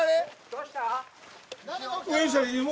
どうした？